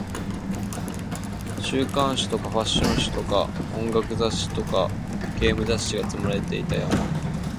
週刊誌とかファッション誌とか音楽雑誌とかゲーム雑誌が積まれていた山